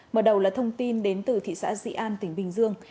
mở đầu là thông tin đến từ thị xã dị an tỉnh bình dương